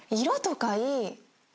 色とかいい。